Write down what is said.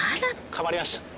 かまれました。